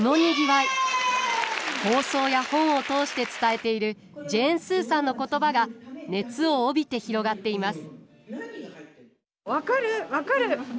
放送や本を通して伝えているジェーン・スーさんの言葉が熱を帯びて広がっています。